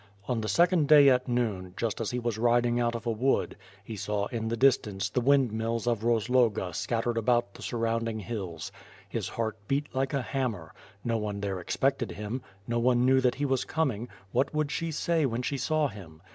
On the second day at noon, just as he was riding out of a wood, he saw in the distance the wind mills of Eoz loga scattered about the surrounding hills. His heart beat like a hammer. No one there expected him; no one knew that he was coming; what would she say when she saw him?